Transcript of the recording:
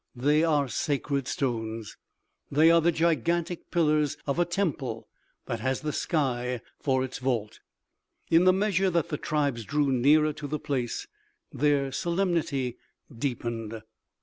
They are sacred stones! They are the gigantic pillars of a temple that has the sky for its vault. In the measure that the tribes drew nearer to the place, their solemnity deepened.